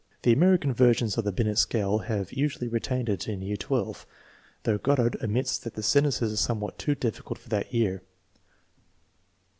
The American versions of the Binet scale have usually retained it in year XII, though Goddard admits that the sentences are somewhat too diffi cult for that year.